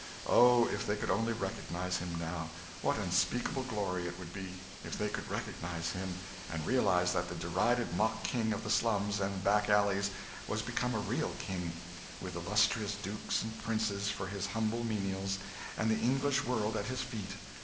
Oh, if they could only recognise him now! What unspeakable glory it would be, if they could recognise him, and realise that the derided mock king of the slums and back alleys was become a real King, with illustrious dukes and princes for his humble menials, and the English world at his feet!